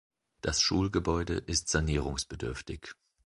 Das Schulgebäude ist sanierungsbedürftig.